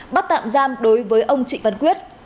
bắt tạm giam đối với ông trịnh văn quyết